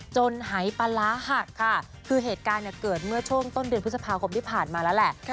หายปลาร้าหักค่ะคือเหตุการณ์เกิดเมื่อช่วงต้นเดือนพฤษภาคมที่ผ่านมาแล้วแหละ